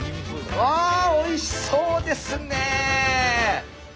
ああおいしそうですね！